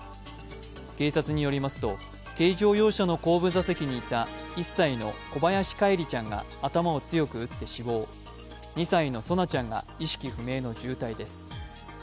警察によりますと軽乗用車の後部座席にいた１歳の小林叶一里ちゃんが頭を強く打って死亡、２歳の蒼菜ちゃんが意識不明の重体です。